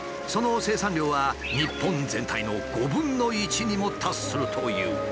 その生産量は日本全体の５分の１にも達するという。